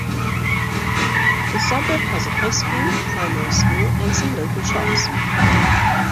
The suburb has a high school, primary school and some local shops.